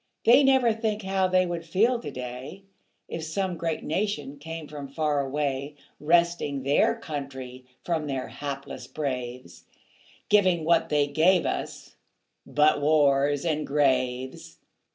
They never think how they would feel to day, If some great nation came from far away, Wresting their country from their hapless braves, Giving what they gave us but wars and graves.